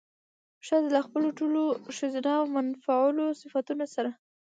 ښځه له خپلو ټولو ښځينه او منفعلو صفتونو سره